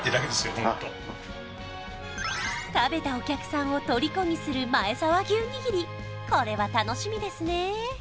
ホント食べたお客さんをトリコにする前沢牛にぎりこれは楽しみですね